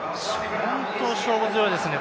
本当に勝負強いですね。